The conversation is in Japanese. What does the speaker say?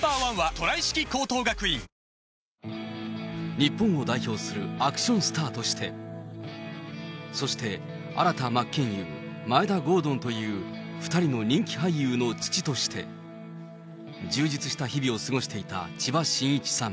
日本を代表するアクションスターとして、そして、新田真剣佑、眞栄田郷敦という２人の人気俳優の父として、充実した日々を過ごしていた千葉真一さん。